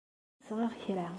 Ad d-sɣeɣ kra.